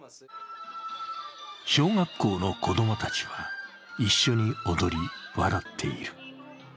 小学校の子供たちは一緒に踊り、笑っている。